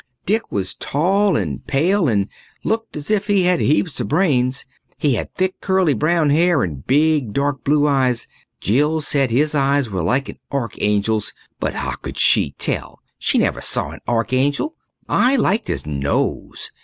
Dick was tall and pale and looked as if he had heaps of brains. He had thick curly brown hair and big dark blue eyes Jill said his eyes were like an archangel's, but how could she tell? She never saw an archangel. I liked his nose.